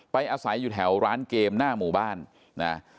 อาศัยอยู่แถวร้านเกมหน้าหมู่บ้านนะ